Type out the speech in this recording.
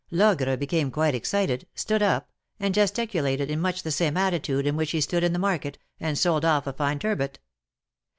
Logre became quite excited, stood up, and gesticulated in much the same attitude in which he stood in the market, and sold off a fine turbot.